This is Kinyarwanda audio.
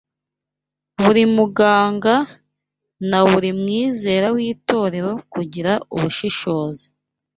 buri muganga, na buri mwizera w’itorero kugira ubushishozi